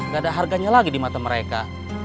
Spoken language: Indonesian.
gak ada harganya lagi di mata mereka